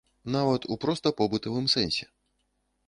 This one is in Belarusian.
Нават у проста побытавым сэнсе.